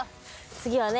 次はね